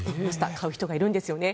買う人がいるんですよね。